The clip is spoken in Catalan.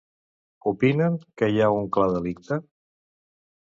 Opinen que hi ha un clar delicte?